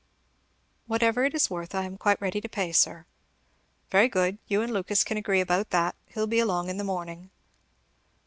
"Whatever it is worth I am quite ready to pay, sir." "Very good! You and Lucas can agree about that. He'll be along in the morning."